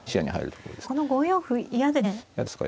ここの５四歩嫌ですね。